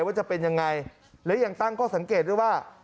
ว่าจะเป็นยังไงและยังตั้งข้อสังเกตด้วยว่า